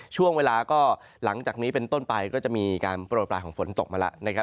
ช่วงเวลาก็หลังจากนี้เป็นต้นไปก็จะมีการโปรดปลายของฝนตกมาแล้วนะครับ